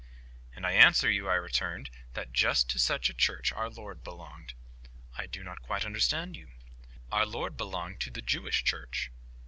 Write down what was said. "And I answer you," I returned, "that just to such a Church our Lord belonged." "I do not quite understand you." "Our Lord belonged to the Jewish Church."